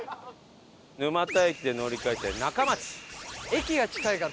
沼田駅で乗り換えて中町。